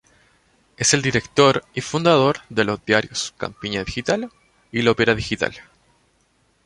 Es el Director y fundador de los diarios Campiña Digital y Lopera Digital.